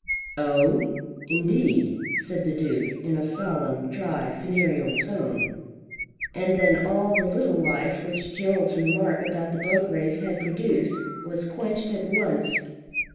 "Oh, indeed," said the Duke in a solemn, dry, funereal tone. And then all the little life which Gerald's remark about the boat race had produced, was quenched at once.